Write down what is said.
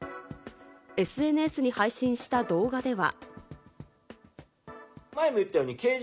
ＳＮＳに配信した動画では。